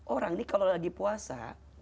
orang ini kalau lagi puasa